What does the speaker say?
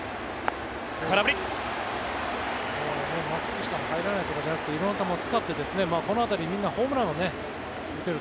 真っすぐしか入らないとかじゃなくて色んな球を使って、この辺りみんなホームランを打てる。